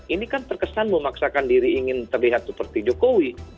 ini kan terkesan memaksakan diri ingin terlihat seperti jokowi